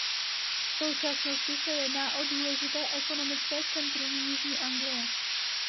V současnosti se jedná o důležité ekonomické centrum jižní Anglie.